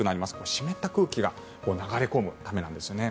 湿った空気が流れ込むためなんですよね。